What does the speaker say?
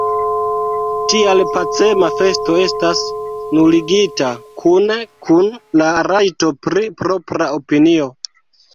Tial pacema festo estas nuligita – kune kun la rajto pri propra opinio.